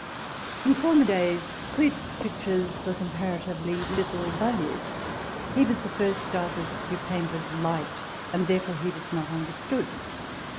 In former days Cuyp's pictures were compara tively little valued : he was the first artist who painted light, and therefore he was not understood.